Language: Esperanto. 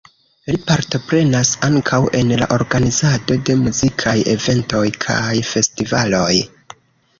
Li partoprenas ankaŭ en la organizado de muzikaj eventoj kaj festivaloj.